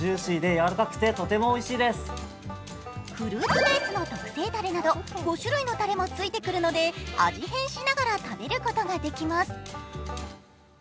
フルーツベースの特製だれなど５種類のたれもついてくるので味変しながら食べることができます。